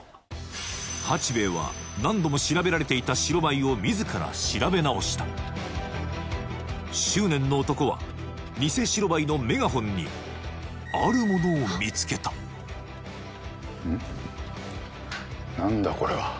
八兵衛は何度も調べられていた白バイを自ら調べ直した執念の男は偽白バイのメガホンにあるものを見つけたうん？